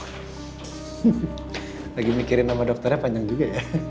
lagi mikirin sama dokternya panjang juga ya